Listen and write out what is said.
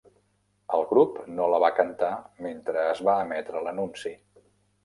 El grup no la va cantar mentre es va emetre l'anunci.